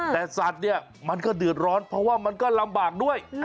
แต่สัตว์เนี่ยมันก็เดือดร้อนเพราะว่ามันก็ลำบากด้วย